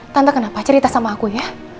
tante kenapa cerita sama aku ya